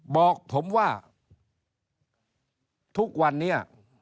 บอกผมว่าทุกวันนี้